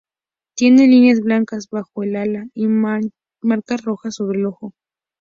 Tiene líneas blancas bajo el ala y marcas rojas sobre el ojo.